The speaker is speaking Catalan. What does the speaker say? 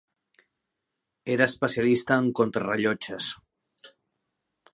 Era especialista en contrarellotges.